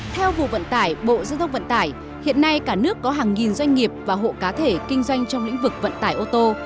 theo vụ vận tải bộ giao thông vận tải hiện nay cả nước có hàng nghìn doanh nghiệp và hộ cá thể kinh doanh trong lĩnh vực vận tải ô tô